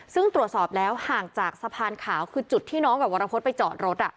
ซึ่งตรวจสอบแล้วห่างจากสะพานขาวคือจุดที่น้องกับวรพฤษไปจอดรถ